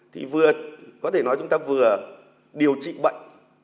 thì vừa có thể nói chúng ta vừa điều trị bệnh